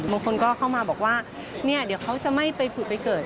บางคนก็เข้ามาบอกว่าเนี่ยเดี๋ยวเขาจะไม่ไปผุดไปเกิด